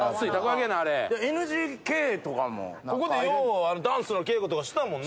ＮＧＫとかも、なんか、ここでよう、ダンスの稽古とかしたもんな。